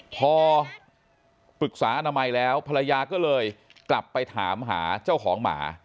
พอปรึกษาอนามัยแล้วภรรยาก็เลยกลับไปถามหาเจ้าของหมา